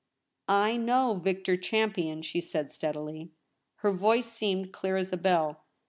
' I know Victor Champion,' she said steadily ; her voice seemed clear as a bell.